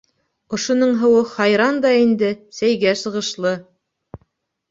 — Ошоноң һыуы хайран да инде сәйгә сығышлы.